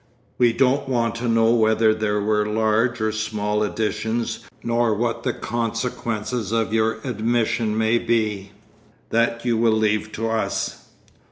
We don't want to know whether they were large or small additions nor what the consequences of your admission may be. That you will leave to us.